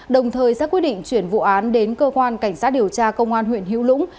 đồng thời ra quyết định chuyển vụ án đến cơ quan cảnh sát điều tra công an huyện hữu lũng